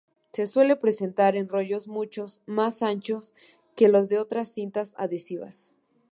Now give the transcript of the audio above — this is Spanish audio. Se suele presentar en rollos mucho más anchos que los de otras cintas adhesivas.